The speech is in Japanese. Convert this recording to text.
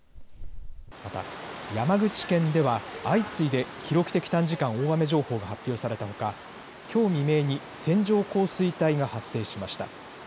また、山口県では相次いで記録的短時間大雨情報が発表されたほかきょう未明に線状降水帯が発生しました。